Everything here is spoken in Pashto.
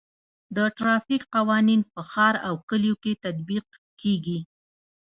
د ټرافیک قوانین په ښار او کلیو کې تطبیق کیږي.